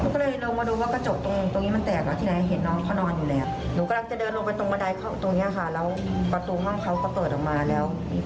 ก็ออกมากระทืบที่หน้าน้องเขาประมาณ๗๘ที